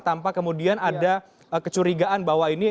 tanpa kemudian ada kecurigaan bahwa ini bisa berjalan